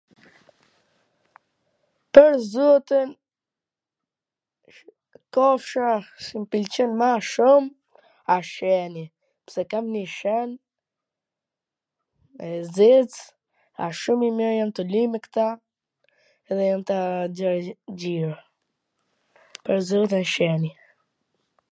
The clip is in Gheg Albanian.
Pwr zotin, kafsha qw m pwlqen ma shum a Ceni, pse kam njw Cen e zez, a shum i mir, jem tu luj me kta dhe jam ta nxjerr xhiro, pwr zotin, Ceni